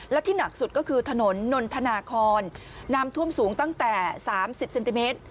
และที่หนักสุดก็คือถนนนนทนาคอนน้ำท่วมสูงตั้งแต่๓๐เซนติเมตร